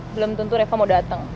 belum tentu reva mau dateng ya